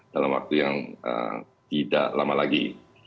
dalam waktu yang tidak lama lagi